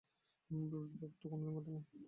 এমন বিপরীত ব্যাপার তো কোনোদিন ঘটে নাই।